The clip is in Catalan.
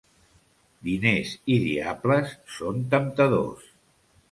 Diners i diables són temptadors.